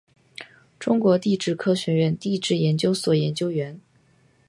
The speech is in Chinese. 中国地质科学院地质研究所研究员。